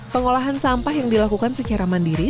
pengolahan sampah yang dilakukan secara mandiri